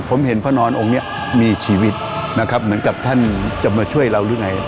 ผมเห็นพระนอนองค์นี้มีชีวิตนะครับเหมือนกับท่านจะมาช่วยเราหรือไง